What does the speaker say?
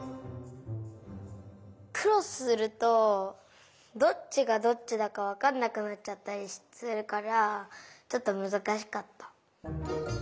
クロスするとどっちがどっちだかわかんなくなっちゃったりするからちょっとむずかしかった。